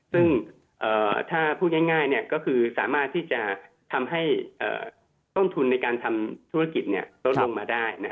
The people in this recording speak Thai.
ซึ่งถ้าพูดง่ายก็คือสามารถที่จะทำให้ต้นทุนในการทำธุรกิจลดลงมาได้